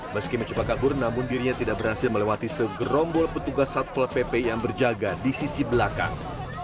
meski mencoba kabur namun dirinya tidak berhasil melewati segerombol petugas satpol pp yang berjaga di sisi belakang